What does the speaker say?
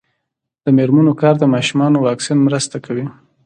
د میرمنو کار د ماشومانو واکسین مرسته کوي.